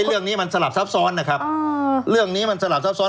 เรื่องนี้มันสลับซับซ้อนนะครับเรื่องนี้มันสลับซับซ้อน